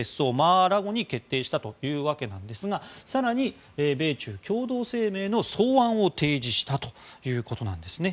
ア・ラゴに決定したというわけなんですが更に米中共同声明の草案を提示したということなんですね。